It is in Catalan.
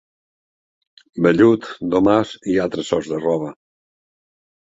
Vellut, domàs i altres sorts de roba.